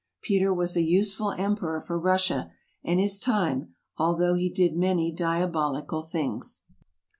Peter was a useful emperor for Russia and his time, although he did many diabolical things.